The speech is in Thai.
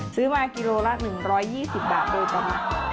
ซื้อมากิโลละ๑๒๐บาทเลยครับ